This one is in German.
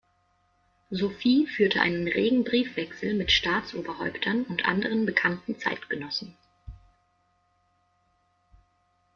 Sophie führte einen regen Briefwechsel mit Staatsoberhäuptern und anderen bekannten Zeitgenossen.